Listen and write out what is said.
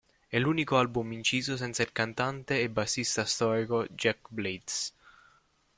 È l'unico album inciso senza il cantante e bassista storico Jack Blades.